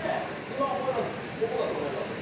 今思えばどこだと思います？